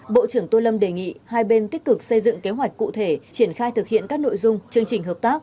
bộ trưởng tô lâm đề nghị hai bên tích cực xây dựng kế hoạch cụ thể triển khai thực hiện các nội dung chương trình hợp tác